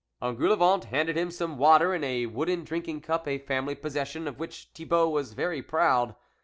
Engoulevent handed him some water in a wooden drinking cup, a family pos session, of which Thibault was very proud.